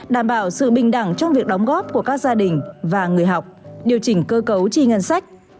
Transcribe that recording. đảm bảo sự bình đẳng trong việc đóng góp của các gia đình và người học điều chỉnh cơ cấu chi ngân sách